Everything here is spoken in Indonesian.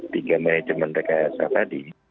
tiga manajemen rekan sekaligus tadi